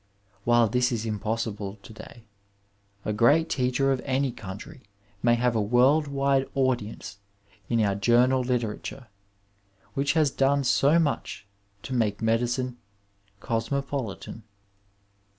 While this is impossible to day, a great teacher of any country may have a world wide audience in our journal literature, which has done so much to make medicine cosmopolitan. in.